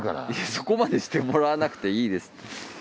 そこまでしてもらわなくていいです。